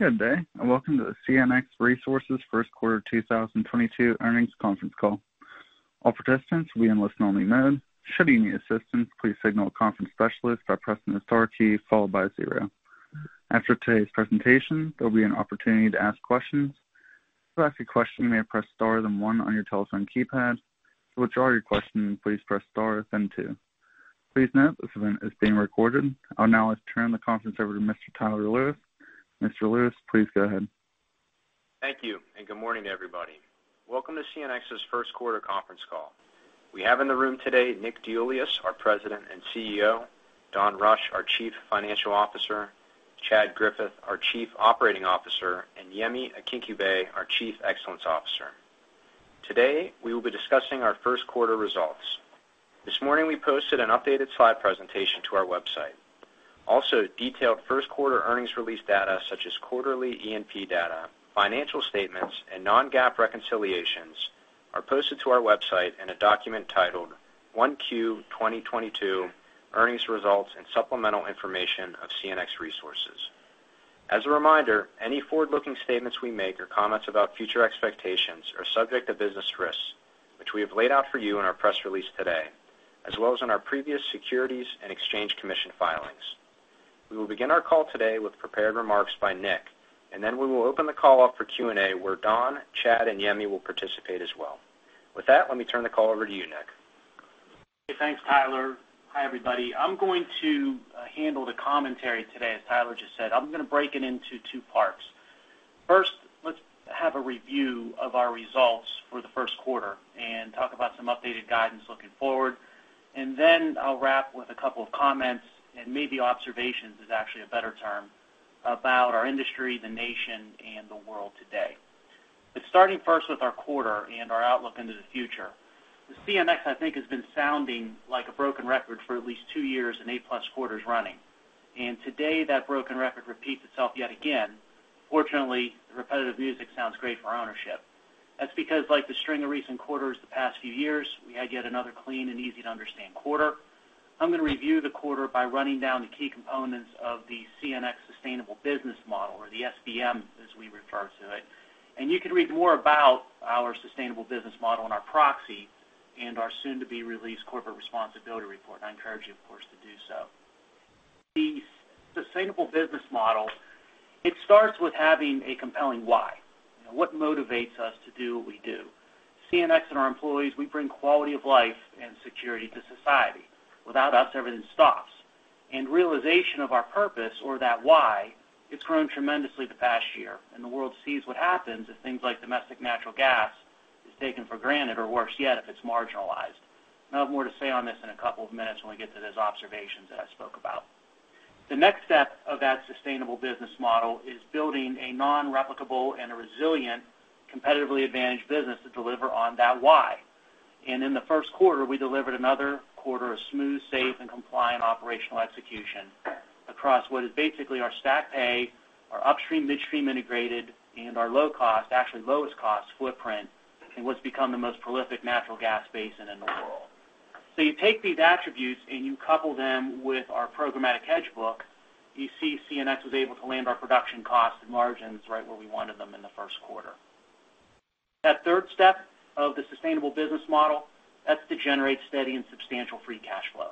Good day, and Welcome to the CNX Resources First Quarter 2022 Earnings Conference Call. All participants will be in listen only mode. Should you need assistance, please signal a conference specialist by pressing the star key followed by zero. After today's presentation, there'll be an opportunity to ask questions. To ask a question, you may press star then one on your telephone keypad. To withdraw your question, please press star then two. Please note this event is being recorded. I'll now turn the conference over to Mr. Tyler Lewis. Mr. Lewis, please go ahead. Thank you, and good morning, everybody. Welcome to CNX's First Quarter Conference Call. We have in the room today Nick DeIuliis, our President and CEO, Don Rush, our Chief Financial Officer, Chad Griffith, our Chief Operating Officer, and Yemi Akinkugbe, our Chief Excellence Officer. Today, we will be discussing our first quarter results. This morning, we posted an updated slide presentation to our website. Also, detailed first quarter earnings release data such as quarterly E&P data, financial statements, and non-GAAP reconciliations are posted to our website in a document titled "1Q 2022 Earnings Results and Supplemental Information of CNX Resources." As a reminder, any forward-looking statements we make or comments about future expectations are subject to business risks, which we have laid out for you in our press release today, as well as in our previous Securities and Exchange Commission filings. We will begin our call today with prepared remarks by Nick, and then we will open the call up for Q&A, where Don, Chad, and Yemi will participate as well. With that, let me turn the call over to you, Nick. Thanks, Tyler. Hi, everybody. I'm going to handle the commentary today, as Tyler just said. I'm gonna break it into two parts. First, let's have a review of our results for the first quarter and talk about some updated guidance looking forward. Then I'll wrap with a couple of comments, and maybe observations is actually a better term, about our industry, the nation and the world today. Starting first with our quarter and our outlook into the future. The CNX, I think, has been sounding like a broken record for at least two years and 8+ quarters running. Today that broken record repeats itself yet again. Fortunately, repetitive music sounds great for ownership. That's because like the string of recent quarters the past few years, we had yet another clean and easy-to-understand quarter. I'm gonna review the quarter by running down the key components of the CNX Sustainable Business Model or the SBM as we refer to it. You can read more about our Sustainable Business Model and our proxy and our soon-to-be-released Corporate Responsibility Report. I encourage you, of course, to do so. The Sustainable Business Model, it starts with having a compelling why. What motivates us to do what we do? CNX and our employees, we bring quality of life and security to society. Without us, everything stops. Realization of our purpose or that why, it's grown tremendously the past year. The world sees what happens if things like domestic natural gas is taken for granted, or worse yet, if it's marginalized. I'll have more to say on this in a couple of minutes when we get to those observations that I spoke about. The next step of that Sustainable Business Model is building a non-replicable and a resilient, competitively advantaged business to deliver on that why. In the first quarter, we delivered another quarter of smooth, safe, and compliant operational execution across what is basically our stacked pay, our upstream midstream integrated, and our low cost, actually lowest cost footprint in what's become the most prolific natural gas basin in the world. You take these attributes and you couple them with our programmatic hedge book, you see CNX was able to land our production costs and margins right where we wanted them in the first quarter. That third step of the Sustainable Business Model, that's to generate steady and substantial free cash flow.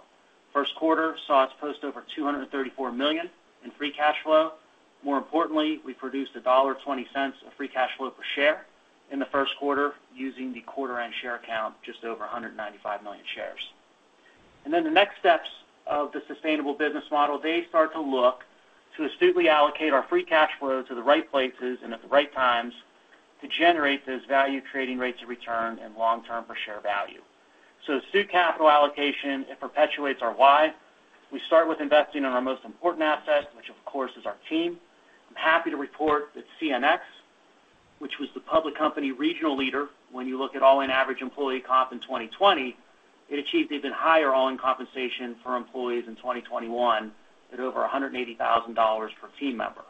First quarter saw us post over $234 million in free cash flow. More importantly, we produced $1.20 of free cash flow per share in the first quarter using the quarter end share count just over 195 million shares. The next steps of the sustainable business model, they start to look to astutely allocate our free cash flow to the right places and at the right times to generate those value-creating rates of return and long-term per share value. Astute capital allocation, it perpetuates our why. We start with investing in our most important assets, which of course is our team. I'm happy to report that CNX, which was the public company regional leader when you look at all-in average employee comp in 2020, it achieved even higher all-in compensation for employees in 2021 at over $180,000 per team member.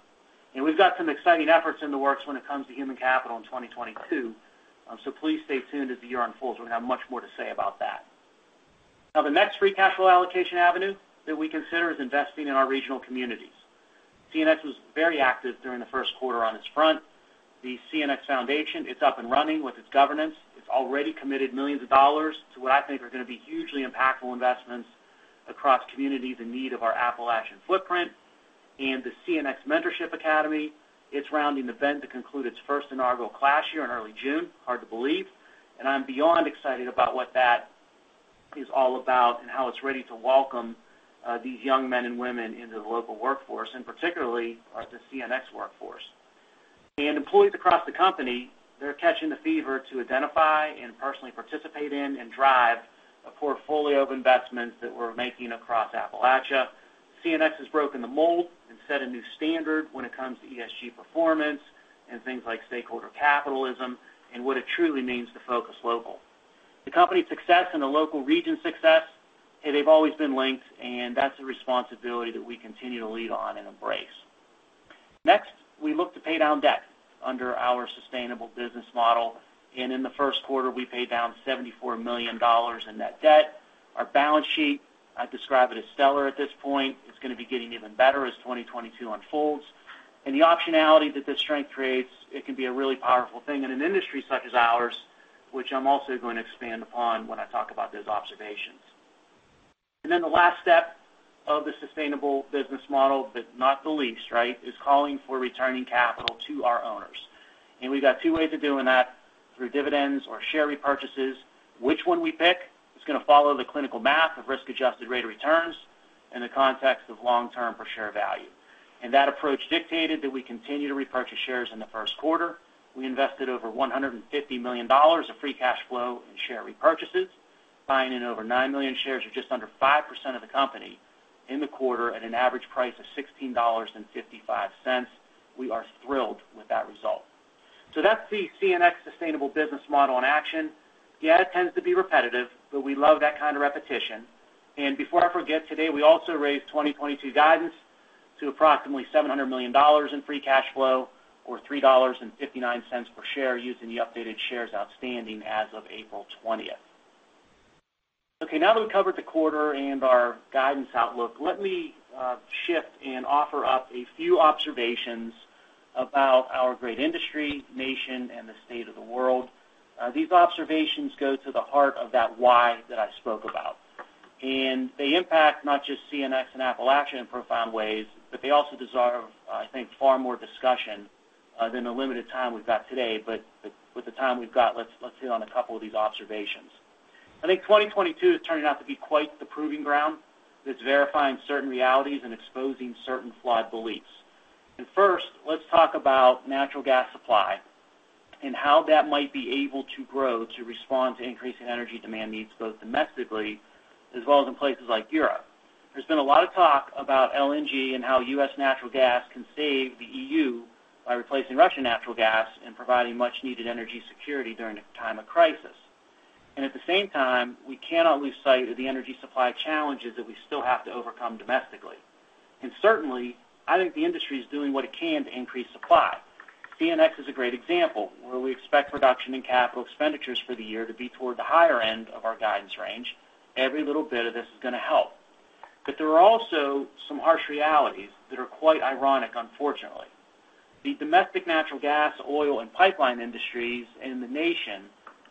We've got some exciting efforts in the works when it comes to human capital in 2022, so please stay tuned as the year unfolds. We're gonna have much more to say about that. Now, the next free cash flow allocation avenue that we consider is investing in our regional communities. CNX was very active during the first quarter on this front. The CNX Foundation is up and running with its governance. It's already committed million dollars to what I think are gonna be hugely impactful investments across communities in need of our Appalachian footprint. The CNX Mentorship Academy, it's rounding the bend to conclude its first inaugural class here in early June. Hard to believe. I'm beyond excited about what that is all about and how it's ready to welcome, these young men and women into the local workforce, and particularly the CNX workforce. Employees across the company, they're catching the fever to identify and personally participate in and drive a portfolio of investments that we're making across Appalachia. CNX has broken the mold and set a new standard when it comes to ESG performance and things like stakeholder capitalism and what it truly means to focus local. The company's success and the local region's success, they've always been linked, and that's a responsibility that we continue to lead on and embrace. Next, we look to pay down debt under our Sustainable Business Model, and in the first quarter, we paid down $74 million in that debt. Our balance sheet, I describe it as stellar at this point. It's gonna be getting even better as 2022 unfolds. The optionality that this strength creates, it can be a really powerful thing in an industry such as ours, which I'm also going to expand upon when I talk about those observations. Then the last step of the Sustainable Business Model, but not the least, right, is calling for returning capital to our owners. We've got two ways of doing that, through dividends or share repurchases. Which one we pick is gonna follow the clinical math of risk-adjusted rate of returns in the context of long-term per share value. That approach dictated that we continue to repurchase shares in the first quarter. We invested over $150 million of free cash flow in share repurchases, buying in over 9 million shares or just under 5% of the company in the quarter at an average price of $16.55. We are thrilled with that result. That's the CNX Sustainable Business Model in action. Yeah, it tends to be repetitive, but we love that kind of repetition. Before I forget, today, we also raised 2022 guidance to approximately $700 million in free cash flow or $3.59 per share using the updated shares outstanding as of April 20. Okay, now that we've covered the quarter and our guidance outlook, let me shift and offer up a few observations about our great industry, nation, and the state of the world. These observations go to the heart of that why that I spoke about. They impact not just CNX and Appalachian in profound ways, but they also deserve, I think, far more discussion than the limited time we've got today. With the time we've got, let's hit on a couple of these observations. I think 2022 is turning out to be quite the proving ground that's verifying certain realities and exposing certain flawed beliefs. First, let's talk about natural gas supply and how that might be able to grow to respond to increasing energy demand needs, both domestically as well as in places like Europe. There's been a lot of talk about LNG and how U.S. natural gas can save the E.U. by replacing Russian natural gas and providing much-needed energy security during a time of crisis. At the same time, we cannot lose sight of the energy supply challenges that we still have to overcome domestically. Certainly, I think the industry is doing what it can to increase supply. CNX is a great example where we expect reduction in capital expenditures for the year to be toward the higher end of our guidance range. Every little bit of this is gonna help. There are also some harsh realities that are quite ironic, unfortunately. The domestic natural gas, oil, and pipeline industries in the nation,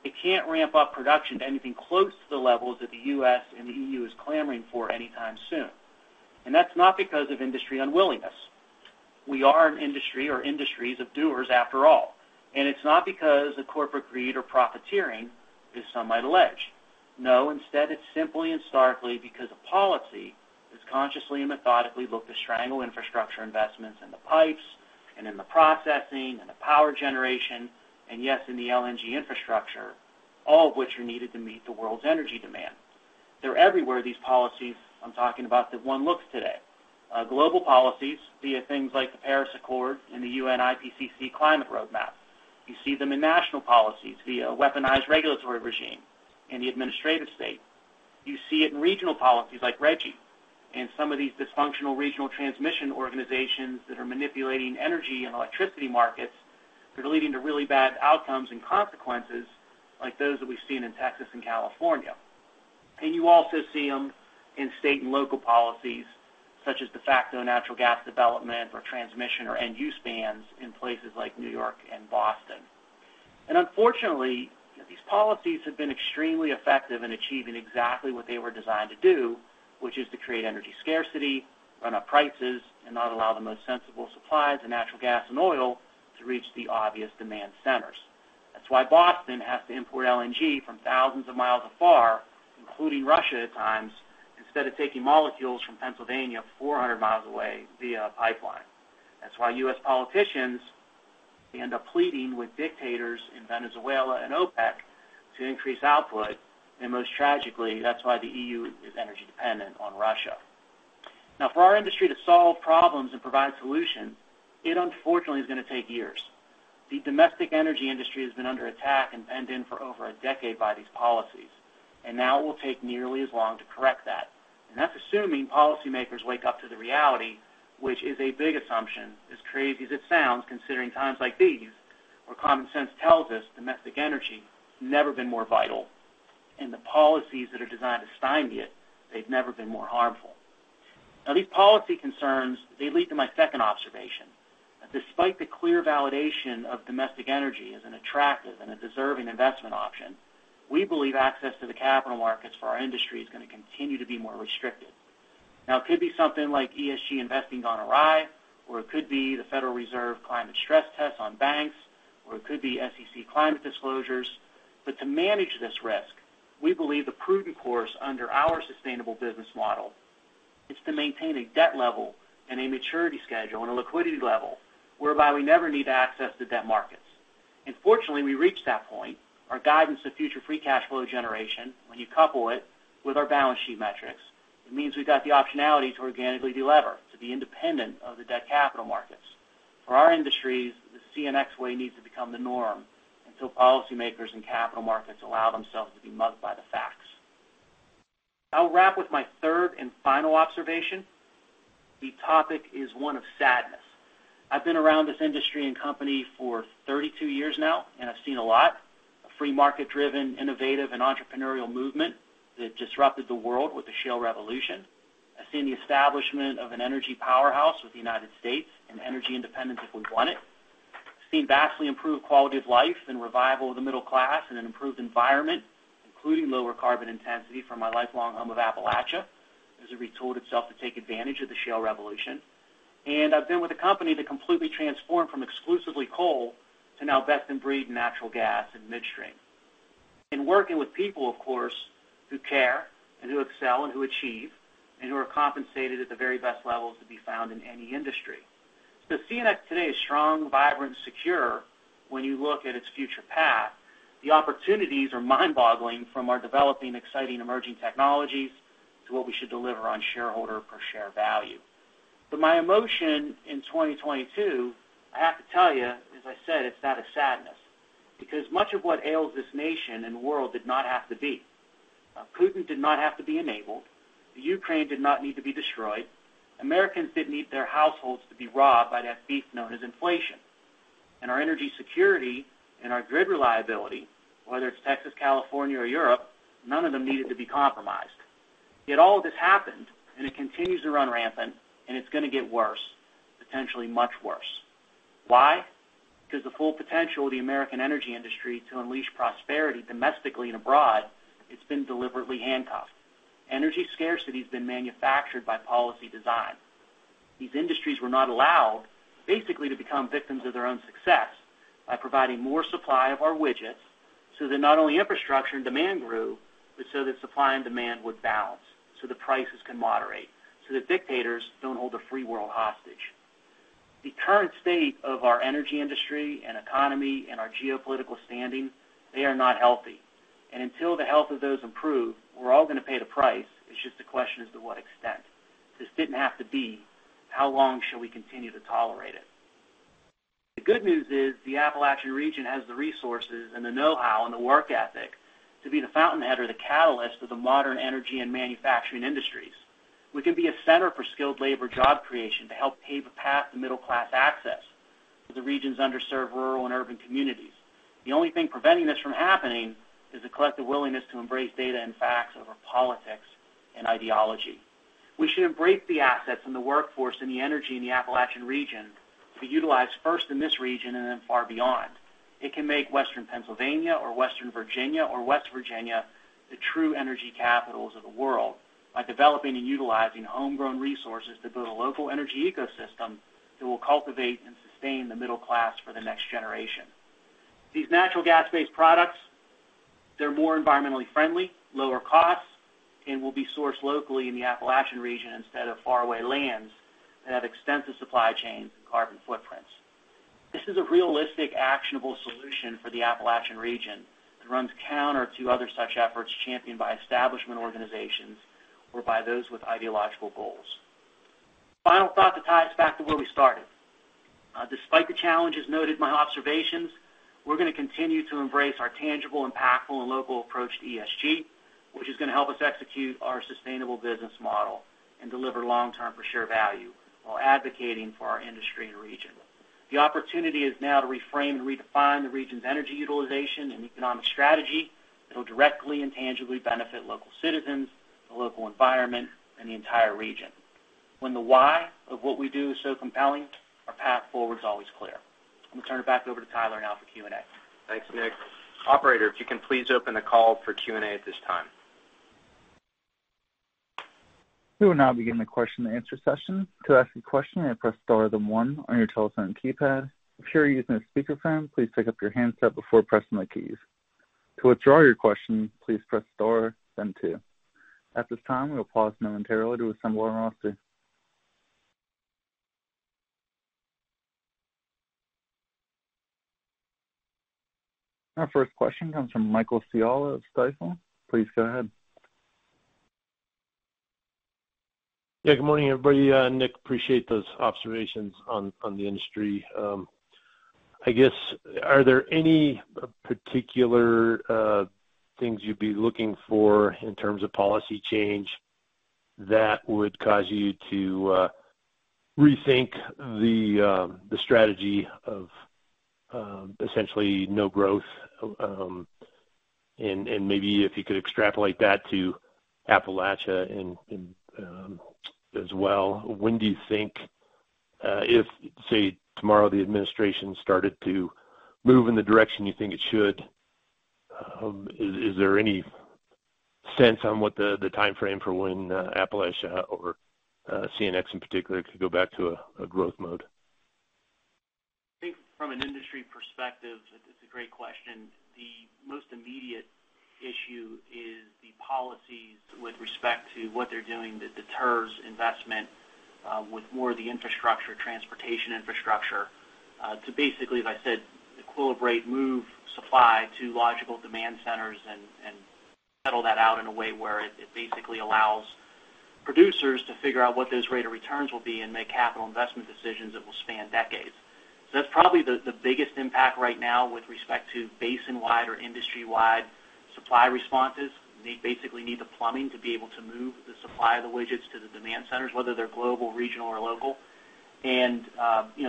it can't ramp up production to anything close to the levels that the U.S. and the E.U. is clamoring for anytime soon. That's not because of industry unwillingness. We are an industry or industries of doers after all. It's not because of corporate greed or profiteering as some might allege. No, instead, it's simply and starkly because policy has consciously and methodically looked to strangle infrastructure investments in the pipes and in the processing and the power generation, and yes, in the LNG infrastructure, all of which are needed to meet the world's energy demand. They're everywhere, these policies I'm talking about that one looks today. Global policies via things like the Paris Agreement and the UN IPCC climate roadmap. You see them in national policies via weaponized regulatory regime in the administrative state. You see it in regional policies like RGGI and some of these dysfunctional regional transmission organizations that are manipulating energy and electricity markets that are leading to really bad outcomes and consequences like those that we've seen in Texas and California. You also see them in state and local policies such as de facto natural gas development or transmission or end use bans in places like New York and Boston. Unfortunately, these policies have been extremely effective in achieving exactly what they were designed to do, which is to create energy scarcity, run up prices, and not allow the most sensible supplies of natural gas and oil to reach the obvious demand centers. That's why Boston has to import LNG from thousands of miles afar, including Russia at times, instead of taking molecules from Pennsylvania 400 miles away via pipeline. That's why U.S. politicians end up pleading with dictators in Venezuela and OPEC to increase output. Most tragically, that's why the E.U. is energy dependent on Russia. Now, for our industry to solve problems and provide solutions, it unfortunately is gonna take years. The domestic energy industry has been under attack and penned in for over a decade by these policies, and now it will take nearly as long to correct that. That's assuming policymakers wake up to the reality, which is a big assumption, as crazy as it sounds, considering times like these, where common sense tells us domestic energy has never been more vital, and the policies that are designed to stymie it, they've never been more harmful. Now, these policy concerns, they lead to my second observation. Despite the clear validation of domestic energy as an attractive and a deserving investment option, we believe access to the capital markets for our industry is gonna continue to be more restricted. Now, it could be something like ESG investing gone awry, or it could be the Federal Reserve climate stress test on banks, or it could be SEC climate disclosures. To manage this risk, we believe the prudent course under our Sustainable Business Model is to maintain a debt level and a maturity schedule and a liquidity level whereby we never need to access the debt markets. Fortunately, we reached that point. Our guidance to future free cash flow generation, when you couple it with our balance sheet metrics, it means we've got the optionality to organically delever, to be independent of the debt capital markets. For our industries, the CNX way needs to become the norm until policymakers and capital markets allow themselves to be mugged by the facts. I'll wrap with my third and final observation. The topic is one of sadness. I've been around this industry and company for 32 years now, and I've seen a lot. A free market-driven, innovative, and entrepreneurial movement that disrupted the world with the Shale revolution. I've seen the establishment of an energy powerhouse with the United States and energy independence if we want it. I've seen vastly improved quality of life and revival of the middle class in an improved environment, including lower carbon intensity from my lifelong home of Appalachia as it retooled itself to take advantage of the Shale revolution. I've been with a company that completely transformed from exclusively coal to now best-in-breed natural gas and midstream. In working with people, of course, who care and who excel and who achieve and who are compensated at the very best levels to be found in any industry. CNX today is strong, vibrant, secure when you look at its future path. The opportunities are mind-boggling from our developing exciting emerging technologies to what we should deliver on shareholder per share value. My emotion in 2022, I have to tell you, as I said, it's that of sadness because much of what ails this nation and world did not have to be. Putin did not have to be enabled. The Ukraine did not need to be destroyed. Americans didn't need their households to be robbed by that beast known as inflation. And our energy security and our grid reliability, whether it's Texas, California, or Europe, none of them needed to be compromised. Yet all of this happened, and it continues to run rampant, and it's gonna get worse, potentially much worse. Why? Because the full potential of the American energy industry to unleash prosperity domestically and abroad, it's been deliberately handcuffed. Energy scarcity has been manufactured by policy design. These industries were not allowed basically to become victims of their own success by providing more supply of our widgets so that not only infrastructure and demand grew, but so that supply and demand would balance, so the prices can moderate, so that dictators don't hold the free world hostage. The current state of our energy industry and economy and our geopolitical standing. They are not healthy. Until the health of those improve, we're all gonna pay the price. It's just a question as to what extent. This didn't have to be. How long should we continue to tolerate it? The good news is the Appalachian region has the resources and the know-how and the work ethic to be the fountainhead or the catalyst of the modern energy and manufacturing industries. We can be a center for skilled labor job creation to help pave a path to middle class access to the region's underserved rural and urban communities. The only thing preventing this from happening is the collective willingness to embrace data and facts over politics and ideology. We should embrace the assets and the workforce and the energy in the Appalachian region to be utilized first in this region and then far beyond. It can make Western Pennsylvania or Western Virginia or West Virginia the true energy capitals of the world by developing and utilizing homegrown resources to build a local energy ecosystem that will cultivate and sustain the middle class for the next generation. These natural gas-based products, they're more environmentally friendly, lower costs, and will be sourced locally in the Appalachian region instead of faraway lands that have extensive supply chains and carbon footprints. This is a realistic, actionable solution for the Appalachian region that runs counter to other such efforts championed by establishment organizations or by those with ideological goals. Final thought to tie us back to where we started. Despite the challenges noted in my observations, we're gonna continue to embrace our tangible, impactful, and local approach to ESG, which is gonna help us execute our sustainable business model and deliver long-term per share value while advocating for our industry and region. The opportunity is now to reframe and redefine the region's energy utilization and economic strategy that will directly and tangibly benefit local citizens, the local environment, and the entire region. When the why of what we do is so compelling, our path forward is always clear. I'm gonna turn it back over to Tyler now for Q&A. Thanks, Nick. Operator, if you can please open the call for Q&A at this time. We will now begin the question and answer session. To ask a question, press star then one on your telephone keypad. If you are using a speakerphone, please pick up your handset before pressing the keys. To withdraw your question, please press star then two. At this time, we'll pause momentarily to assemble our roster. Our first question comes from Michael Scialla of Stifel. Please go ahead. Yeah, good morning, everybody. Nick, appreciate those observations on the industry. I guess, are there any particular things you'd be looking for in terms of policy change that would cause you to rethink the strategy of essentially no growth? Maybe if you could extrapolate that to Appalachia as well. When do you think, if say tomorrow the administration started to move in the direction you think it should, is there any sense on what the timeframe for when Appalachia or CNX in particular could go back to a growth mode? I think from an industry perspective, it's a great question. The most immediate issue is the policies with respect to what they're doing that deters investment with more of the infrastructure, transportation infrastructure, to basically, as I said, move supply to logical demand centers and settle that out in a way where it basically allows producers to figure out what those rate of returns will be and make capital investment decisions that will span decades. That's probably the biggest impact right now with respect to basin-wide or industry-wide. Supply responses. They basically need the plumbing to be able to move the supply of the widgets to the demand centers, whether they're global, regional, or local.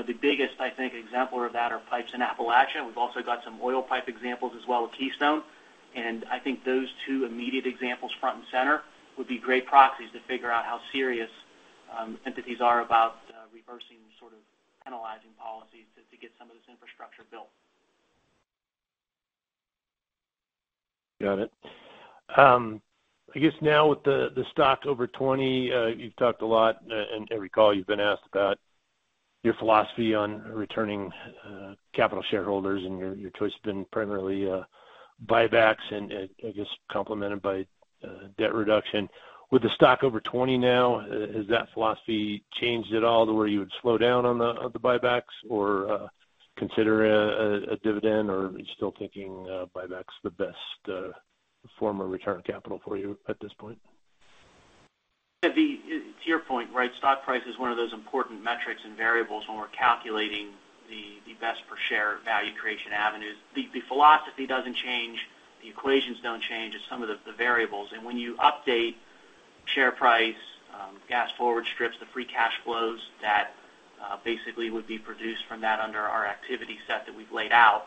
The biggest, I think, exemplar of that are pipes in Appalachia. We've also got some oil pipe examples as well with Keystone. I think those two immediate examples front and center would be great proxies to figure out how serious entities are about reversing sort of penalizing policies to get some of this infrastructure built. Got it. I guess now with the stock over $20, you've talked a lot, and I recall you've been asked about your philosophy on returning capital to shareholders, and your choice has been primarily buybacks and I guess complemented by debt reduction. With the stock over $20 now, has that philosophy changed at all to where you would slow down on the buybacks or consider a dividend, or are you still thinking buyback's the best form of returning capital for you at this point? Yeah. To your point, right, stock price is one of those important metrics and variables when we're calculating the best per share value creation avenues. The philosophy doesn't change, the equations don't change, it's some of the variables. When you update share price, gas forward strips, the free cash flows that basically would be produced from that under our activity set that we've laid out,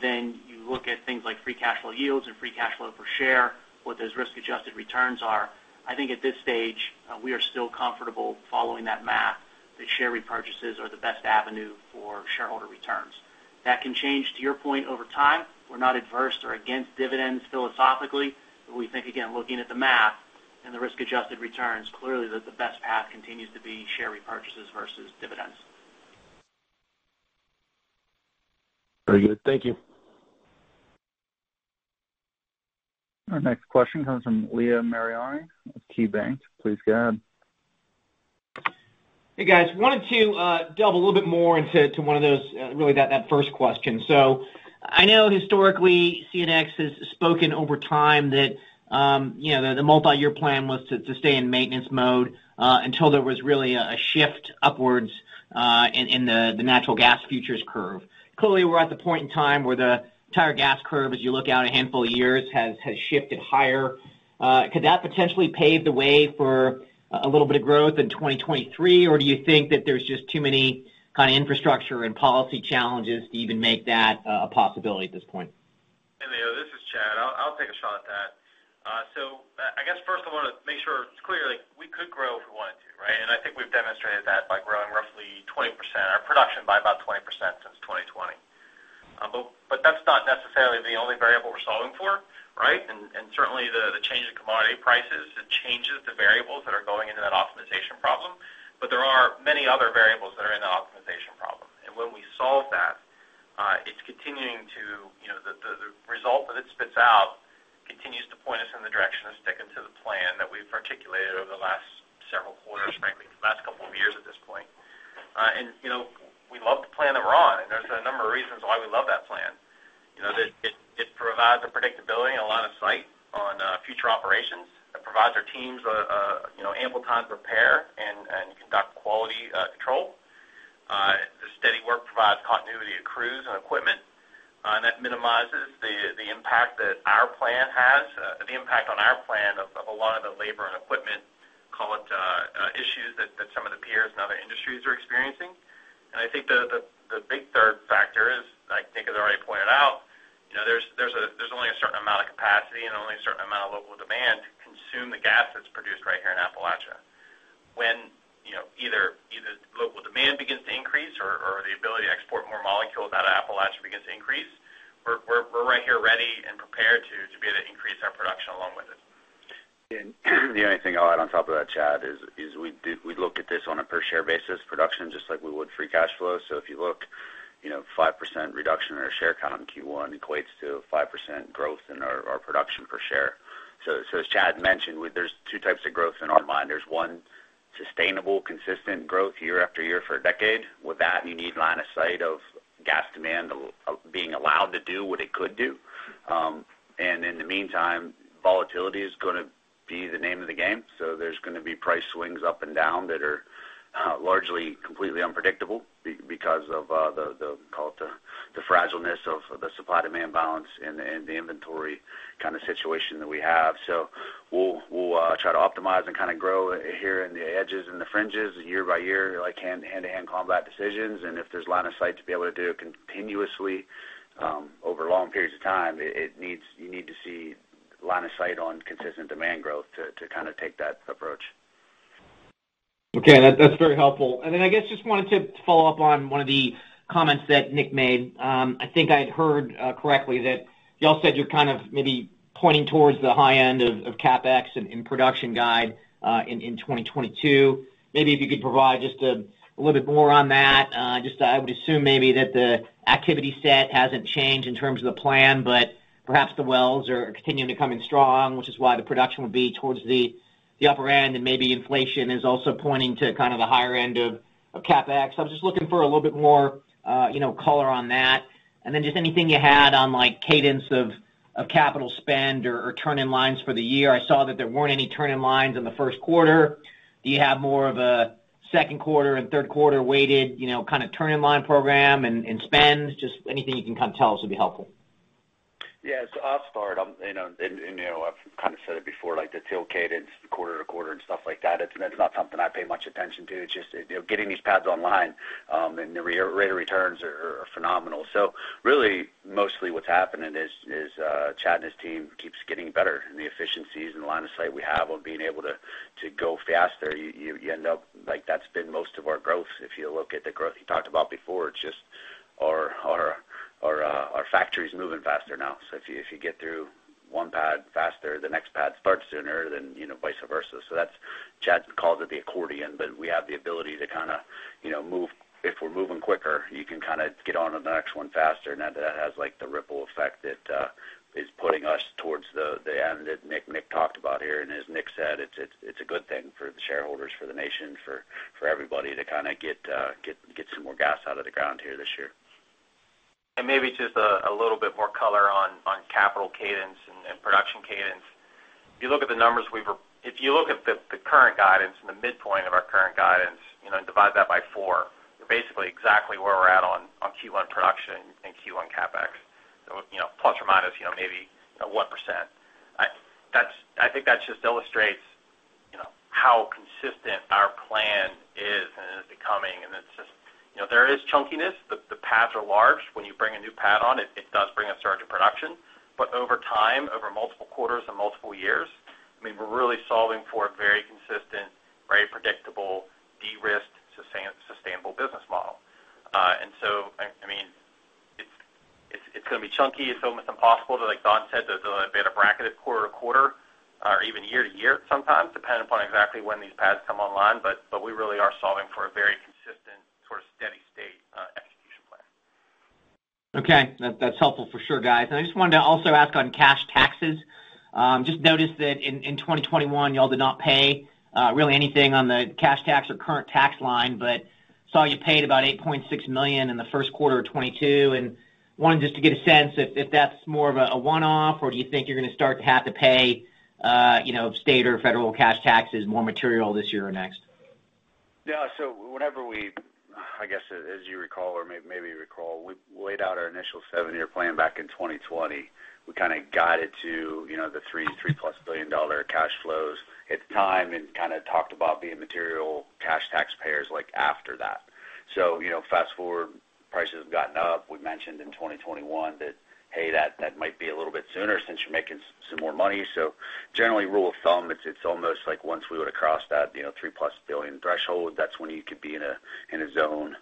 then you look at things like free cash flow yields and free cash flow per share, what those risk-adjusted returns are. I think at this stage, we are still comfortable following that math, that share repurchases are the best avenue for shareholder returns. That can change, to your point, over time. We're not adverse or against dividends philosophically. We think, again, looking at the math and the risk-adjusted returns, clearly that the best path continues to be share repurchases vs dividends. Very good. Thank you. Our next question comes from Leo Mariani of KeyBanc. Please go ahead. Hey, guys. Wanted to delve a little bit more into one of those really that first question. I know historically, CNX has spoken over time that, you know, the multi-year plan was to stay in maintenance mode until there was really a shift upwards in the natural gas futures curve. Clearly, we're at the point in time where the entire gas curve, as you look out a handful of years, has shifted higher. Could that potentially pave the way for a little bit of growth in 2023, or do you think that there's just too many kind of infrastructure and policy challenges to even make that a possibility at this point? Hey, Leo, this is Chad. I'll take a shot at that. I guess first I wanna make sure it's clear, like, we could grow if we wanted to, right? I think we've demonstrated that by growing roughly 20%, our production by about 20% since 2020. That's not necessarily the only variable we're solving for, right? Certainly, the change in commodity prices changes the variables that are going into that optimization problem. There are many other variables that are in the optimization problem. When we solve that, you know, the result that it spits out continues to point us in the direction of sticking to the plan that we've articulated over the last several quarters, frankly, for the last couple of years at this point. You know, we love the plan that we're on, and there's a number of reasons why we love that plan. You know, that it provides a predictability and a lot of insight on future operations. It provides our teams a, you know, ample time to prepare and conduct quality control. The steady work provides continuity to crews and equipment, and that minimizes the impact on our plan of a lot of the labor and equipment, call it, issues that some of the peers in other industries are experiencing. I think the big third factor is, I think as I already pointed out, you know, there's only a certain amount of capacity and only a certain amount of local demand to consume the gas that's produced right here in Appalachia. When you know, either local demand begins to increase or the ability to export more molecules out of Appalachia begins to increase, we're right here ready and prepared to be able to increase our production along with it. The only thing I'll add on top of that, Chad, is we look at this on a per share basis production just like we would free cash flow. If you look, you know, 5% reduction in our share count in Q1 equates to 5% growth in our production per share. As Chad mentioned, there's two types of growth in our mind. There's one, sustainable, consistent growth year after year for a decade. With that, you need line of sight of gas demand of being allowed to do what it could do. In the meantime, volatility is gonna be the name of the game. There's gonna be price swings up and down that are largely completely unpredictable because of the call it the fragility of the supply-demand balance and the inventory kind of situation that we have. We'll try to optimize and kind of grow here in the edges and the fringes year by year, like hand-to-hand combat decisions. If there's line of sight to be able to do it continuously over long periods of time, you need to see line of sight on consistent demand growth to kind of take that approach. Okay. That's very helpful. I guess just wanted to follow up on one of the comments that Nick made. I think I'd heard correctly that y'all said you're kind of maybe pointing towards the high end of CapEx in production guidance in 2022. Maybe if you could provide just a little bit more on that. I would assume maybe that the activity set hasn't changed in terms of the plan, but perhaps the wells are continuing to come in strong, which is why the production would be towards the upper end, and maybe inflation is also pointing to kind of the higher end of CapEx. I was just looking for a little bit more, you know, color on that. Then just anything you had on, like, cadence of capital spend or turn-in lines for the year. I saw that there weren't any turn-in lines in the first quarter. Do you have more of a second quarter and third quarter weighted, you know, kind of turn-in-line program and spend. Just anything you can kind of tell us would be helpful. Yes, I'll start. You know, I've kind of said it before, like the drill cadence quarter to quarter and stuff like that, it's not something I pay much attention to. Just you know, getting these pads online, and the re-rate of returns are phenomenal. Really, mostly what's happening is Chad and his team keeps getting better in the efficiencies and the line of sight we have on being able to go faster. You end up like that's been most of our growth. If you look at the growth you talked about before, it's just our factory is moving faster now. If you get through one pad faster, the next pad starts sooner than you know, vice versa. That's Chad calls it the accordion, but we have the ability to kinda, you know, move. If we're moving quicker, you can kinda get on to the next one faster. Now that has like the ripple effect that is putting us towards the end that Nick talked about here. As Nick said, it's a good thing for the shareholders, for the nation, for everybody to kinda get some more gas out of the ground here this year. Maybe just a little bit more color on capital cadence and production cadence. If you look at the current guidance and the midpoint of our current guidance, you know, and divide that by four, we're basically exactly where we're at on Q1 production and Q1 CapEx. So, you know, ±1%. I think that just illustrates, you know, how consistent our plan is and is becoming. It's just you know, there is chunkiness. The paths are large. When you bring a new pad on, it does bring a surge of production. But over time, over multiple quarters and multiple years, I mean, we're really solving for a very consistent, very predictable de-risked sustainable business model. I mean, it's gonna be chunky. It's almost impossible, like Don said, to be able to bracket it quarter to quarter or even year to year sometimes, depending upon exactly when these pads come online. We really are solving for a very consistent sort of steady state execution plan. That's helpful for sure, guys. I just wanted to also ask on cash taxes. Just noticed that in 2021, y'all did not pay really anything on the cash tax or current tax line, but saw you paid about $8.6 million in the first quarter of 2022. Wanted just to get a sense if that's more of a one-off or do you think you're gonna start to have to pay, you know, state or federal cash taxes more material this year or next? Yeah. Whenever we, I guess, as you recall, or maybe recall, we laid out our initial seven-year plan back in 2020. We kinda guided to, you know, the $3+ billion cash flows at the time and kinda talked about being material cash taxpayers like after that. You know, fast-forward, prices have gotten up. We mentioned in 2021 that, hey, that might be a little bit sooner since you're making some more money. Generally, rule of thumb, it's almost like once we would cross that, you know, $3+ billion threshold, that's when you could be in a zone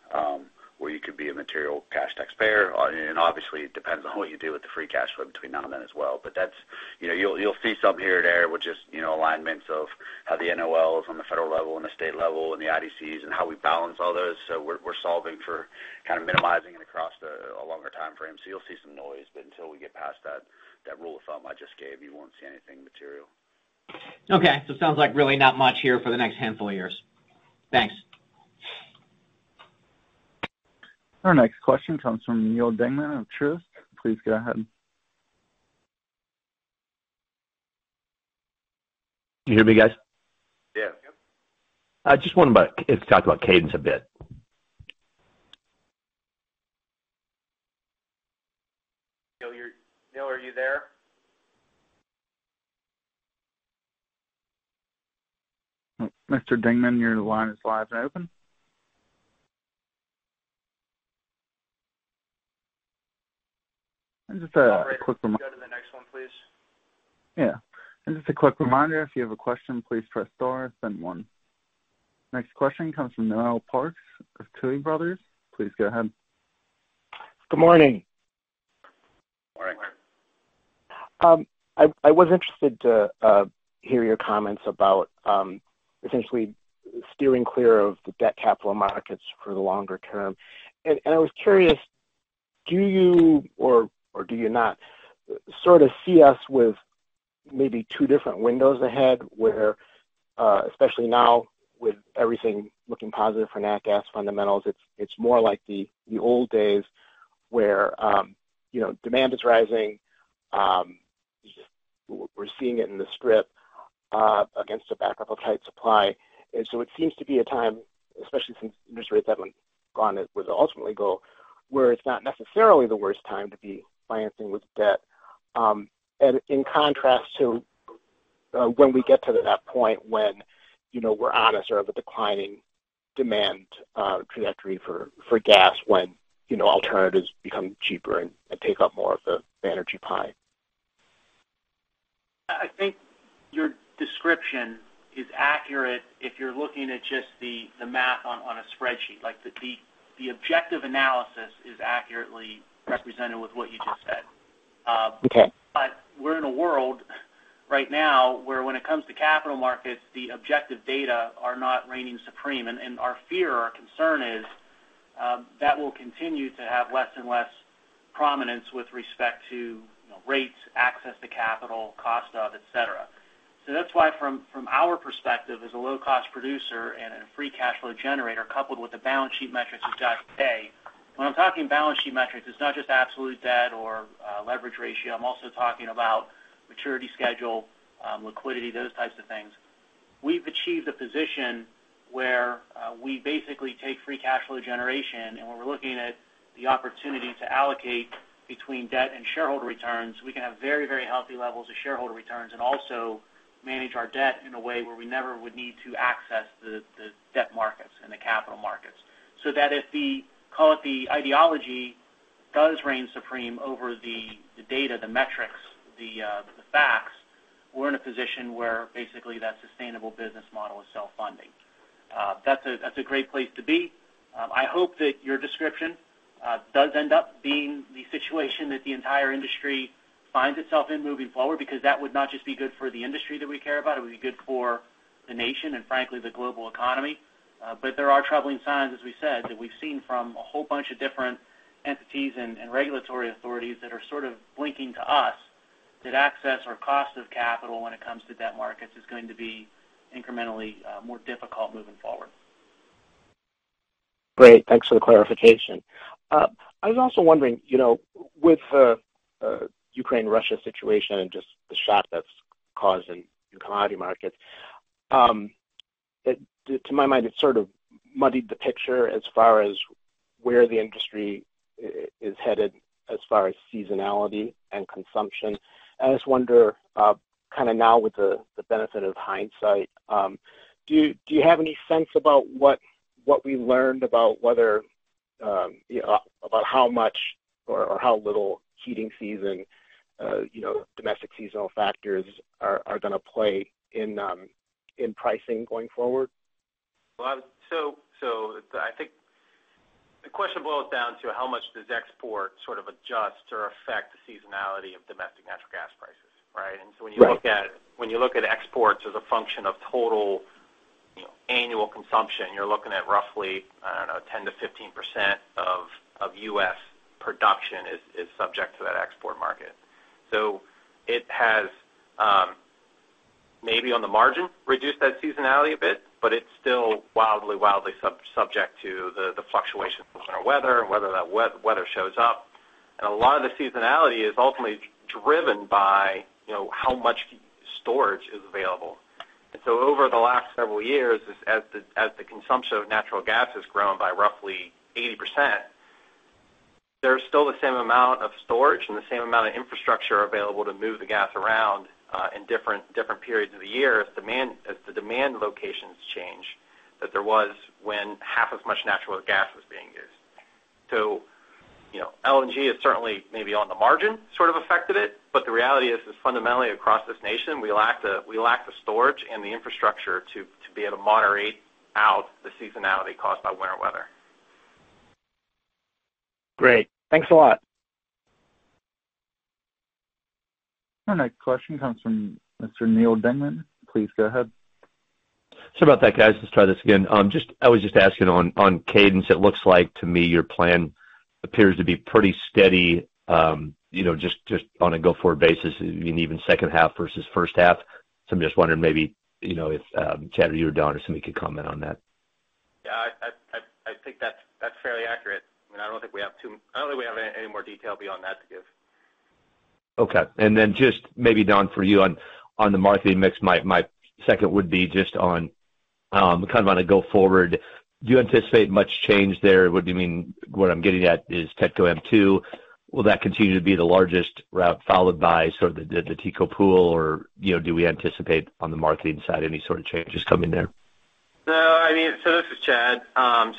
where you could be a material cash taxpayer. And obviously, it depends on what you do with the free cash flow between now and then as well. That's. You know, you'll see some here and there with just, you know, alignments of how the NOL is on the federal level and the state level and the IDCs and how we balance all those. We're solving for kind of minimizing it across a longer timeframe. You'll see some noise, but until we get past that rule of thumb I just gave, you won't see anything material. Okay. It sounds like really not much here for the next handful of years. Thanks. Our next question comes from Neal Dingmann of Truist. Please go ahead. Can you hear me, guys? Yeah. Yep. I just wanted to ask if you could talk about cadence a bit? Neal, are you there? Mr. Dingmann, your line is live and open. Just a quick reminder. Operator, can we go to the next one, please? Yeah. Just a quick reminder, if you have a question, please press star, then one. Next question comes from Noel Parks of Tuohy Brothers. Please go ahead. Good morning. Morning. I was interested to hear your comments about essentially steering clear of the debt capital markets for the longer term. I was curious, do you or do you not sort of see us with maybe two different windows ahead where especially now with everything looking positive for nat gas fundamentals, it's more like the old days where you know demand is rising, we're seeing it in the strip against a backdrop of tight supply. It seems to be a time, especially since interest rates haven't gone where they ultimately go, where it's not necessarily the worst time to be financing with debt. In contrast to when we get to that point when, you know, we're on a sort of a declining demand trajectory for gas when, you know, alternatives become cheaper and take up more of the energy pie. I think your description is accurate if you're looking at just the objective analysis is accurately represented with what you just said. Okay. We're in a world right now where when it comes to capital markets, the objective data are not reigning supreme. Our fear, our concern is that will continue to have less and less prominence with respect to, you know, rates, access to capital, cost of, et cetera. That's why from our perspective as a low cost producer and a free cash flow generator, coupled with the balance sheet metrics you've got today. Talking balance sheet metrics, it's not just absolute debt or, leverage ratio. I'm also talking about maturity schedule, liquidity, those types of things. We've achieved a position where we basically take free cash flow generation, and when we're looking at the opportunity to allocate between debt and shareholder returns, we can have very, very healthy levels of shareholder returns and also manage our debt in a way where we never would need to access the debt markets and the capital markets. That if the, call it, the ideology does reign supreme over the data, the metrics, the facts, we're in a position where basically that Sustainable Business Model is self-funding. That's a great place to be. I hope that your description does end up being the situation that the entire industry finds itself in moving forward, because that would not just be good for the industry that we care about, it would be good for the nation and frankly, the global economy. There are troubling signs, as we said, that we've seen from a whole bunch of different entities and regulatory authorities that are sort of blinking to us that access or cost of capital when it comes to debt markets is going to be incrementally more difficult moving forward. Great. Thanks for the clarification. I was also wondering, you know, with the Ukraine-Russia situation and just the shock that's causing in commodity markets, to my mind, it sort of muddied the picture as far as where the industry is headed as far as seasonality and consumption. I just wonder, kind of now with the benefit of hindsight, do you have any sense about what we learned about whether, you know, about how much or how little heating season, you know, domestic seasonal factors are gonna play in pricing going forward? Well, I think the question boils down to how much does export sort of adjust or affect the seasonality of domestic natural gas prices, right? Right. When you look at exports as a function of total, you know, annual consumption, you're looking at roughly, I don't know, 10%-15% of U.S. production is subject to that export market. It has maybe on the margin, reduced that seasonality a bit, but it's still wildly subject to the fluctuations in our weather, whether that weather shows up. A lot of the seasonality is ultimately driven by, you know, how much storage is available. Over the last several years, as the consumption of natural gas has grown by roughly 80%, there's still the same amount of storage and the same amount of infrastructure available to move the gas around in different periods of the year as the demand locations change that there was when half as much natural gas was being used. You know, LNG has certainly maybe on the margin sort of affected it, but the reality is fundamentally across this nation, we lack the storage and the infrastructure to be able to moderate out the seasonality caused by winter weather. Great. Thanks a lot. Our next question comes from Mr. Neal Dingmann. Please go ahead. Sorry about that, guys. Let's try this again. I was just asking on cadence. It looks like to me your plan appears to be pretty steady, you know, just on a go-forward basis, and even second half vs first half. I'm just wondering maybe, you know, if Chad or you or Don or somebody could comment on that. Yeah, I think that's fairly accurate. I mean, I don't think we have any more detail beyond that to give. Okay. Just maybe, Don, for you on the marketing mix, my second would be just on kind of on a go forward. Do you anticipate much change there? What I'm getting at is TETCO M2, will that continue to be the largest route followed by sort of the TCO Pool? Or, you know, do we anticipate on the marketing side any sort of changes coming there? This is Chad.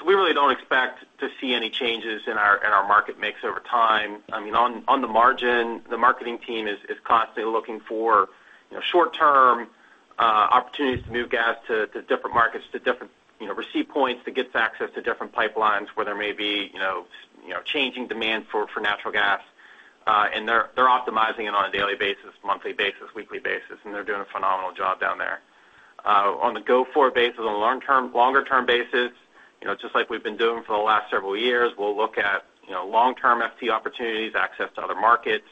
We really don't expect to see any changes in our market mix over time. I mean, on the margin, the marketing team is constantly looking for, you know, short-term opportunities to move gas to different markets, to different, you know, receipt points that gets access to different pipelines where there may be, you know, changing demand for natural gas. They're optimizing it on a daily basis, monthly basis, weekly basis, and they're doing a phenomenal job down there. On a go-forward basis, on a longer-term basis, you know, just like we've been doing for the last several years, we'll look at, you know, long-term FT opportunities, access to other markets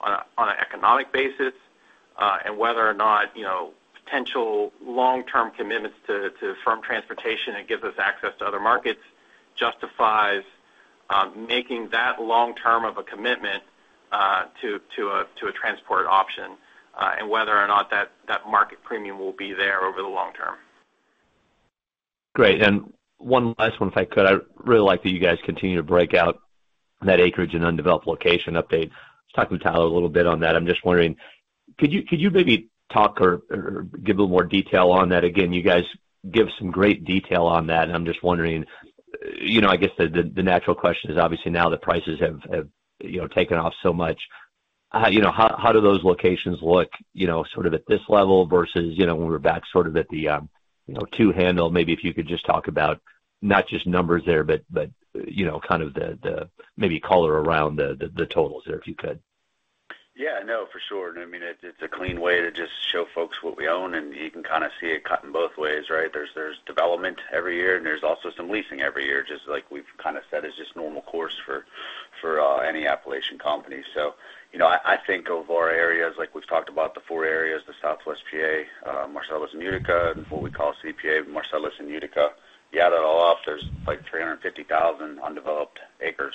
on an economic basis, and whether or not, you know, potential long-term commitments to firm transportation that gives us access to other markets justifies making that long-term of a commitment to a transport option, and whether or not that market premium will be there over the long term. Great. One last one, if I could. I really like that you guys continue to break out that acreage and undeveloped location update. I was talking with Tyler a little bit on that. I'm just wondering, could you maybe talk or give a little more detail on that? Again, you guys give some great detail on that, and I'm just wondering, you know, I guess the natural question is obviously now that prices have, you know, taken off so much, you know, how do those locations look, you know, sort of at this level vs, you know, when we're back sort of at the, you know, two handle? Maybe if you could just talk about not just numbers there, but, you know, kind of the maybe color around the totals there, if you could. Yeah, no, for sure. I mean, it's a clean way to just show folks what we own, and you can kind of see it cut in both ways, right? There's development every year, and there's also some leasing every year, just like we've kind of said, it's just normal course for any Appalachian company. You know, I think of our areas like we've talked about the four areas, the Southwest PA, Marcellus and Utica, and what we call CPA, Marcellus and Utica. You add it all up, there's like 350,000 undeveloped acres.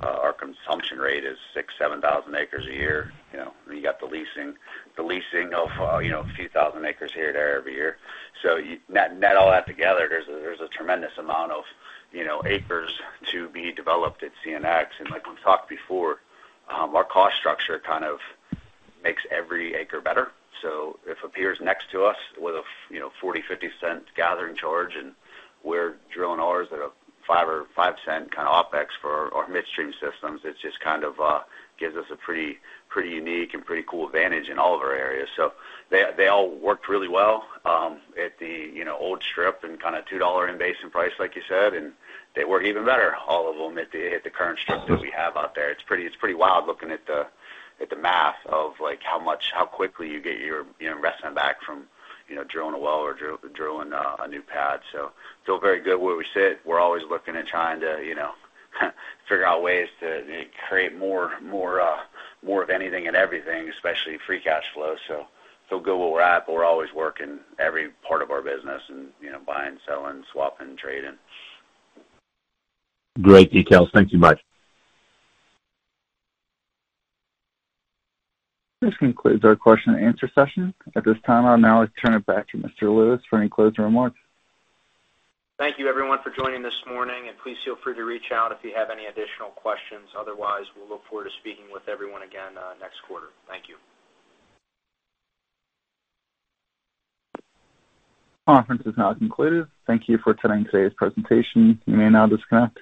Our consumption rate is 6,000-7,000 acres a year. You know, you got the leasing. The leasing of a few thousand acres here and there every year. You net all that together, there's a tremendous amount of, you know, acres to be developed at CNX. Like we've talked before, our cost structure kind of makes every acre better. If a peer is next to us with a, you know, $0.40-$0.50 gathering charge, and we're drilling ours at a $0.05 kind of OpEx for our midstream systems, it just kind of gives us a pretty unique and pretty cool advantage in all of our areas. They all worked really well at the, you know, old strip and kind of $2 in-basin price, like you said, and they work even better, all of them, at the current strip that we have out there. It's pretty wild looking at the math of like how much how quickly you get your, you know, investment back from, you know, drilling a well or drilling a new pad. Feel very good where we sit. We're always looking at trying to, you know, figure out ways to create more of anything and everything, especially free cash flow. Feel good where we're at, but we're always working every part of our business and, you know, buying, selling, swapping, trading. Great details. Thank you much. This concludes our question and answer session. At this time, I'll now turn it back to Mr. Lewis for any closing remarks. Thank you everyone for joining this morning, and please feel free to reach out if you have any additional questions. Otherwise, we'll look forward to speaking with everyone again, next quarter. Thank you. Conference is now concluded. Thank you for attending today's presentation. You may now disconnect.